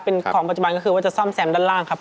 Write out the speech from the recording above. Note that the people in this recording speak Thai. เป็นของปัจจุบันก็คือว่าจะซ่อมแซมด้านล่างครับ